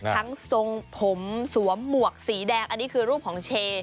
ทรงผมสวมหมวกสีแดงอันนี้คือรูปของเช